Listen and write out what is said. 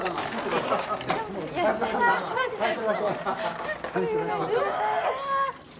最初だけ。